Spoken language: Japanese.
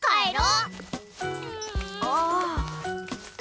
ああ。